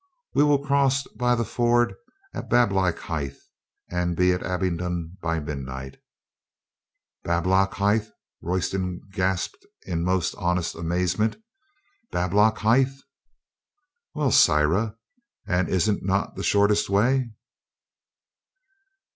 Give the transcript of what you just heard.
We will cross by the ford at Bab lockhithe and be at Abingdon by midnight" "Bablockhithe?" Royston gasped in most honest amazement. "Bablockhithe?" "Well, sirrah, and is't not the shortest way?"